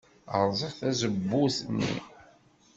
Rẓiɣ tazewwut-nni.